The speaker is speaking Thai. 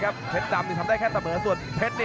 อื้อหือจังหวะขวางแล้วพยายามจะเล่นงานด้วยซอกแต่วงใน